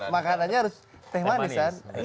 makanannya harus teh manis kan